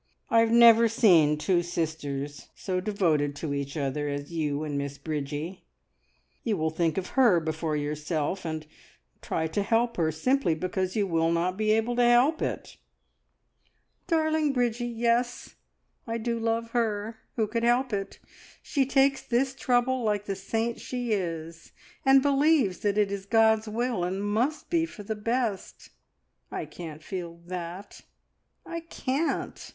I have never seen two sisters so devoted to each other as you and Miss Bridgie. You will think of her before yourself, and try to help her, simply because you will not be able to help it!" "Darling Bridgie yes, I do love her. Who could help it? She takes this trouble like the saint she is, and believes that it is God's will, and must be for the best. I can't feel that I can't!